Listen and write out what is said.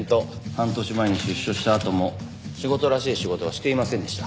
半年前に出所したあとも仕事らしい仕事はしていませんでした。